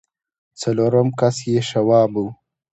څلورم کس يې شواب و.